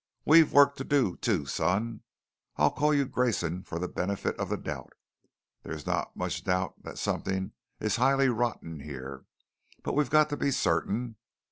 "We've work to do too, son. I'll call you Grayson for the benefit of the doubt. There is not much doubt that something is highly rotten here, but we've got to be certain.